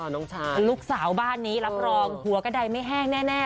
ลูกสาวบ้านนี้รับรองหัวกระดายไม่แห้งแน่